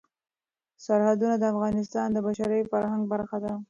سرحدونه د افغانستان د بشري فرهنګ برخه ده.